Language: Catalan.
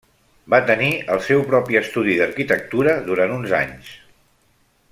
Va tenir el seu propi estudi d'arquitectura durant uns anys.